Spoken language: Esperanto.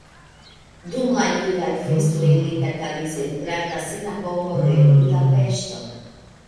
Dum la judaj festoj li kantadis en Granda Sinagogo de Budapeŝto.